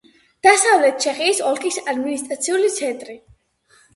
დასავლეთ ჩეხიის ოლქის ადმინისტრაციული ცენტრი.